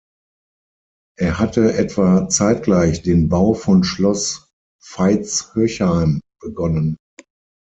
Er hatte etwa zeitgleich den Bau von Schloss Veitshöchheim begonnen.